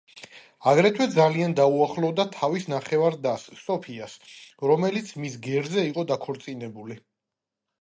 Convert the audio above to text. აგრეთვე ძალიან დაუახლოვდა თავის ნახევარ-დას, სოფიას, რომელიც მის გერზე იყო დაქორწინებული.